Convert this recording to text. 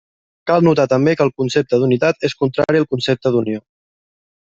Cal notar també que el concepte d'unitat és contrari al concepte d'unió.